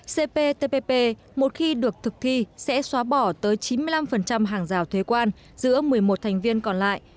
cptpp một khi được thực thi sẽ xóa bỏ tới chín mươi năm hàng rào thuế quan giữa một mươi một thành viên còn lại